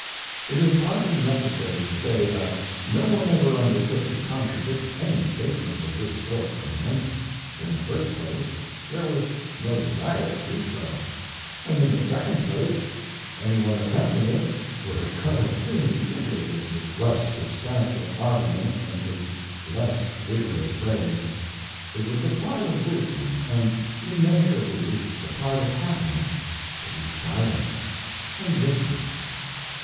It is hardly necessary to say that no one ever undertook to contradict any statements of this sort from him. In the first place, there was no desire to do so; and in the second place, any one attempting it would have cut a puny figure with his less substantial arguments and his less vigorous phrase. It was the part of wisdom and immeasurably the part of happiness to be silent and listen.